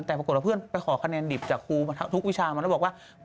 แต่ปรากฏว่าเพื่อนไปขอคะแนนดิบจากครูทุกวิชามาแล้วบอกว่า